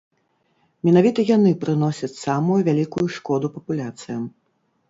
Менавіта яны прыносяць самую вялікую шкоду папуляцыям.